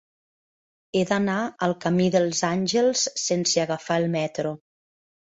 He d'anar al camí dels Àngels sense agafar el metro.